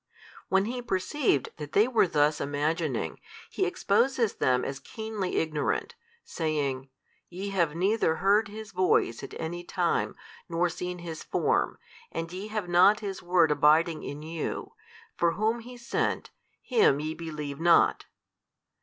|297 When He perceived that they were thus imagining, He exposes them as keenly ignorant, saying, Ye have neither heard His Voice at any time nor seen His Form, and ye have not His Word abiding in you, for whom HE sent, Him YE believe not.